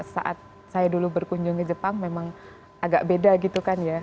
saat saya dulu berkunjung ke jepang memang agak beda gitu kan ya